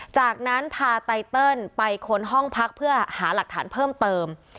จากนั้นพาไตเติลไปค้นห้องพักเพื่อหาหลักฐานเพิ่มเติม